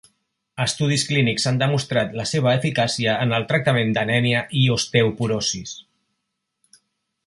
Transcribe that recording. Estudis clínics han demostrat la seva eficàcia en el tractament d'anèmia i osteoporosis.